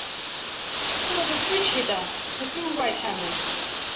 He was a switch-hitter who threw right-handed.